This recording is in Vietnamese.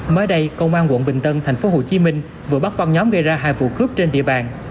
mới đây công an quận bình tân tp hcm vừa bắt băng nhóm gây ra hai vụ cướp trên địa bàn